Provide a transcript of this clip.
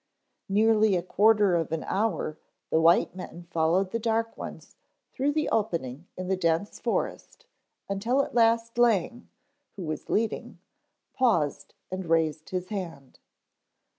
Nearly a quarter of an hour the white men followed the dark ones through the opening in the dense forest until at last Lang, who was leading, paused and raised his hand.